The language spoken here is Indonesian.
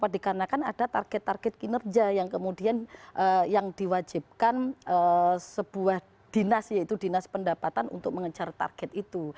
dikarenakan ada target target kinerja yang kemudian yang diwajibkan sebuah dinas yaitu dinas pendapatan untuk mengejar target itu